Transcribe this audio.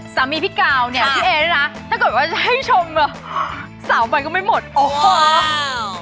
สามีพี่กาวเนี่ยพี่เอ๊นะถ้าเกิดว่าจะให้ชมสามวันก็ไม่หมดว้าว